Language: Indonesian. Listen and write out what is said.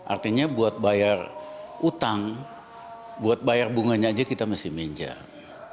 artinya buat bayar utang buat bayar bunganya aja kita mesti minjat